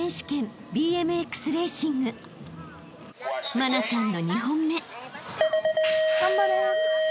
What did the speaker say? ［茉奈さんの２本目］